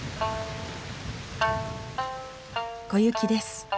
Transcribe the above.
小雪です。